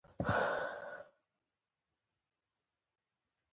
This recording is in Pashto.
مقاومت کاوه مړه کړل.